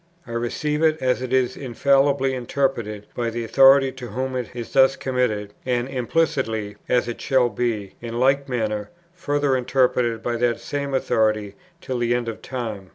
I receive it, as it is infallibly interpreted by the authority to whom it is thus committed, and (implicitly) as it shall be, in like manner, further interpreted by that same authority till the end of time.